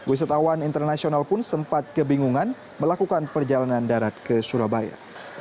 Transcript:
wisatawan internasional pun sempat kebingungan melakukan perjalanan darat ke surabaya